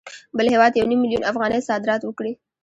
بل هېواد یو نیم میلیون افغانۍ صادرات وکړي